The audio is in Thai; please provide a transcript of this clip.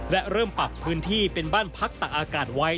และเริ่มปรับพื้นที่เป็นบ้านพักตักอากาศไว้